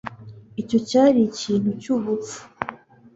icyo cyari ikintu cyubupfu